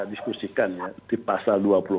diskusikan ya di pasal dua puluh empat